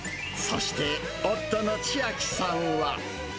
そして、夫の千秋さんは。